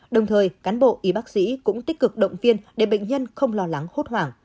đồng thời cán bộ y bác sĩ cũng tích cực động viên để bệnh nhân không lo lắng hốt hoảng